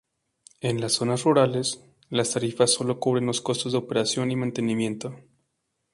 En las zonas rurales, las tarifas solo cubren los costos de operación y mantenimiento.